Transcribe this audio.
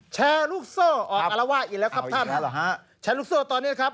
แชร์ลูกเซอร์ออกอารวาคอีกแล้วครับท่านครับแชร์ลูกเซอร์ตอนนี้ครับ